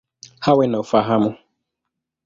Awe na ufahamu.